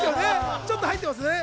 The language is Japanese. ちょっと入ってますね。